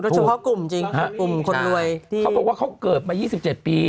เฉพาะกลุ่มจริงเกริ่มคนรวยเขาบอกว่าเขาเกิดมายี่สิบเจ็ดปี